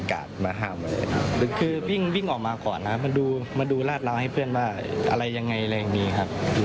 คือวิ่งออกมาก่อนนะครับมาดูมาดูลาดราวให้เพื่อนว่าอะไรยังไงอะไรอย่างนี้ครับ